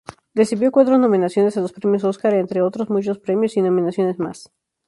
Recibió cuatro nominaciones a los Premios Óscar entre otros muchos premios y nominaciones más.